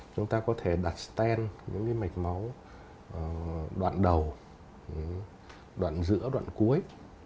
chúng ta có thể đặt stent những cái mạch máu đoạn đầu đoạn giữa đoạn cuối